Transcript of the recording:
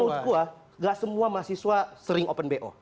tapi menurut gua nggak semua mahasiswa sering open bo